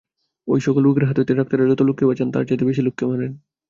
ঐ-সকল রোগের হাত হইতে ডাক্তারেরা যত লোককে বাঁচান, তার চাইতে বেশী লোককে মারেন।